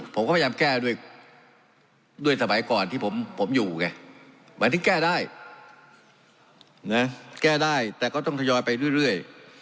ผมก็พยายามแก้ด้วยสมัยก่อนที่ผมอยู่ไงมันถึงแก้ได้นะแก้ได้แต่ก็ต้องทยอยไปเรื่อย